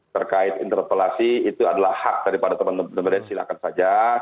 terkait interpelasi itu adalah hak daripada teman teman silahkan saja